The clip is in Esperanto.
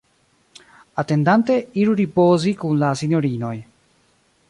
Atendante, iru ripozi kun la sinjorinoj.